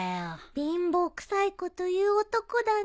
貧乏くさいこと言う男だね。